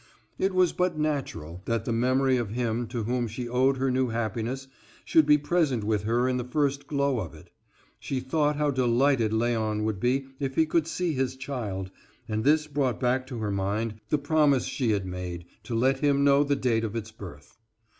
It was but natural that the memory of him to whom she owed her new happiness should be present with her in the first glow of it. She thought how delighted Léon would be if he could see his child, and this brought back to her mind the promise she had made to let him know the date of its birth.